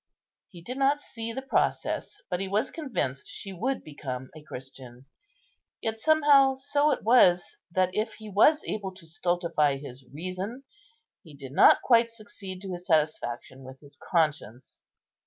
He did not see the process, but he was convinced she would become a Christian. Yet somehow so it was, that, if he was able to stultify his reason, he did not quite succeed to his satisfaction with his conscience.